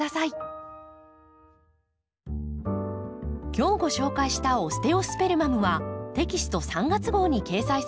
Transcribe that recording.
今日ご紹介したオステオスペルマムはテキスト３月号に掲載されています。